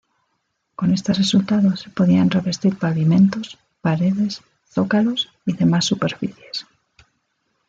Con este resultado se podían revestir pavimentos, paredes, zócalos y demás superficies.